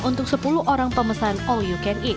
untuk sepuluh orang pemesan all you can eat